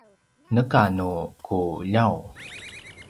neka nu ku ljaung